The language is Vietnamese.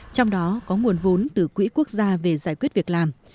trong đó có nguồn vốn từ quỹ quốc gia về giải quyết việc làm